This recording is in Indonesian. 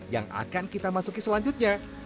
yang akan kita masuki selanjutnya